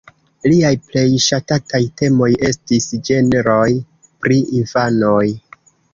Liaj plej ŝatataj temoj estis ĝenroj pri infanoj.